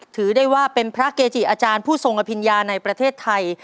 ถือได้ว่าเป็นพระเกจิอาจารย์ผู้ทรงอภิญญาในประเทศไทย